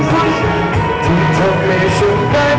ขอบคุณทุกเรื่องราว